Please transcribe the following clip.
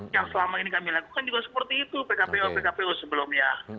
yang selama ini kami lakukan juga seperti itu pkpu pkpu sebelumnya